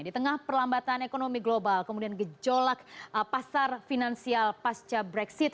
di tengah perlambatan ekonomi global kemudian gejolak pasar finansial pasca brexit